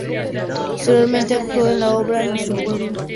Posteriormente actuó en la obra "Nuestro pueblo".